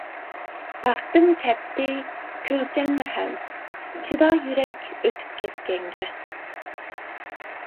بەختىم كەتتى، كۈلكەممۇ ھەم، چىدا يۈرەك ئۆتۈپ كەتكەنگە.